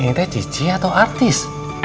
ini tuh cici atau artis